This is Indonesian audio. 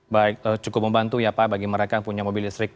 baik cukup membantu ya pak bagi mereka yang punya mobil listrik